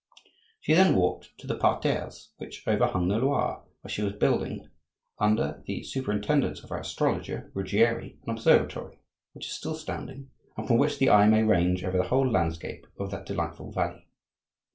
She then walked to the parterres which overhung the Loire, where she was building, under the superintendence of her astrologer, Ruggieri, an observatory, which is still standing, and from which the eye may range over the whole landscape of that delightful valley.